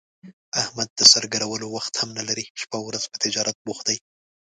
احمد د سر ګرولو وخت هم نه لري، شپه اورځ په تجارت بوخت دی.